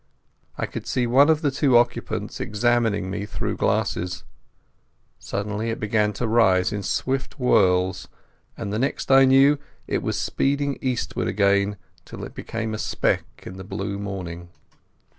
I could see one of the two occupants examining me through glasses. Suddenly it began to rise in swift whorls, and the next I knew it was speeding eastward again till it became a speck in the blue morning.